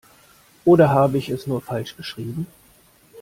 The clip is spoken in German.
Oder habe ich es nur falsch geschrieben?